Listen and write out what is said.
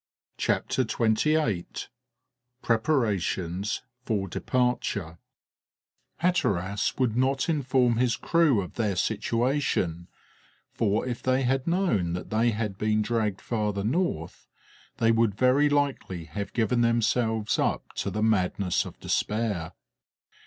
CHAPTER XXVIII PREPARATIONS FOR DEPARTURE Hatteras would not inform his crew of their situation, for if they had known that they had been dragged farther north they would very likely have given themselves up to the madness of despair.